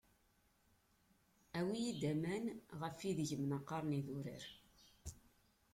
Awi-yi-d aman ɣef ideg mnaqaṛen idurar!